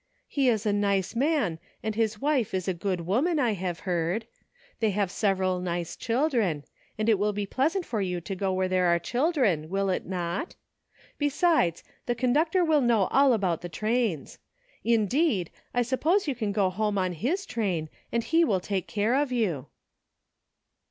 " He is a nice man, and his wife is a good woman, I have heard. They have several nice children, and it will be pleasant for you to go where there are children, will it not? Besides, the conductor will know all about trains; in deed, I suppose you can go home on his train and he will take care of you."